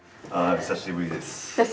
久しぶりです。